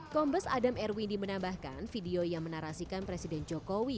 kombes adam erwindi menambahkan video yang menarasikan presiden jokowi